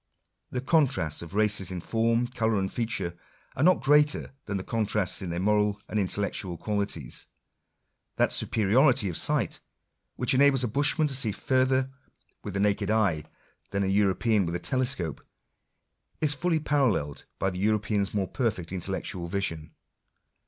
The contrasts of races in form, colour, and feature, are not greater than the contrasts in their moral and intellectual qualities. That superiority of sight which enables a Bushman to see farther with the naked eye than a o Digitized by VjOOQIC 04 INTRODUCTION. European with a telescope, is fully paralleled by the European's more perfect intellectual vision.